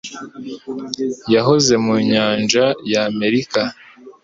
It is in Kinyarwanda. Yahoze mu nyanja ya Amerika.